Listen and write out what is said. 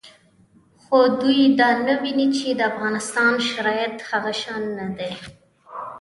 خو دوی دا نه ویني چې د افغانستان شرایط هغه شان نه دي